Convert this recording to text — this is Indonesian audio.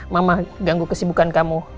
mama ganggu kesibukan kamu